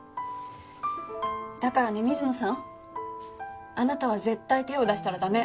だからね水野さんあなたは絶対手を出したら駄目。